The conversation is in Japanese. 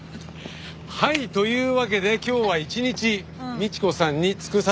はい！というわけで今日は一日倫子さんに尽くさせて頂きます。